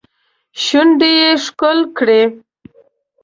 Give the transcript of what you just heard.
شونډې ښکل کړي